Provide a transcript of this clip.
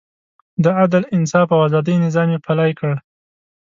د عدل، انصاف او ازادۍ نظام یې پلی کړ.